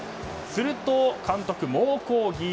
すると監督、猛抗議。